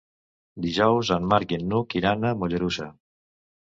Dijous en Marc i n'Hug iran a Mollerussa.